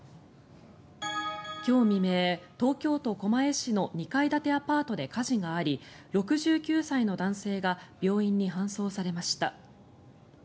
今日未明、東京都狛江市の２階建てアパートで火事があり６９歳の男性が病院に搬送されました。